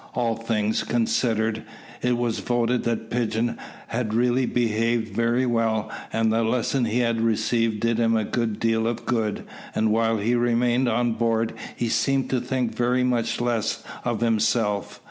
All things considered, it was voted that Pigeon had really behaved very well, and the lesson he had received did him a great deal of good, and while he remained on board he seemed to think very much less of himself.